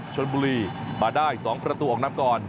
ชนบุรีมาได้๒ประตูออกนำก่อน